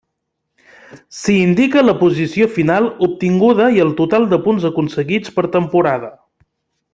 S'hi indica la posició final obtinguda i el total de punts aconseguits per temporada.